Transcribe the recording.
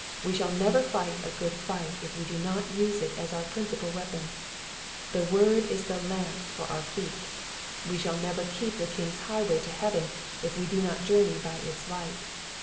We shall never fight a goodfight^ff^we do not use it as our principal weapon. — The Word is the lamp for our feet. We shall never keep the king's highway to heaven, if we do not journey by its light.